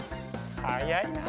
はやいなあ！